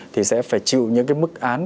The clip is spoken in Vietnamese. thì sẽ phải chịu những cái mức án